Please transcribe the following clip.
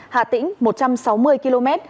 hà tĩnh một trăm sáu mươi km